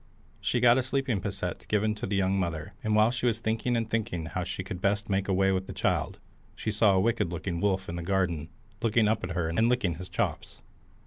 She got a sleeping posset given to the young mother, and while she was thinking and thinking how she could best make away with the child, she saw a wicked looking wolf in the garden, looking up at her, and licking his chops.